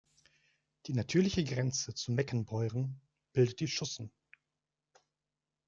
Die natürliche Grenze zu Meckenbeuren bildet die Schussen.